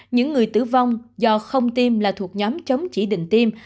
những người tử vong do không tiêm là thuộc nhóm chống chỉ định tiêm